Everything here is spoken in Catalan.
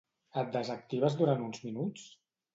Et desactives durant uns minuts?